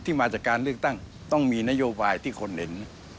มาจากการเลือกตั้งต้องมีนโยบายที่คนเห็น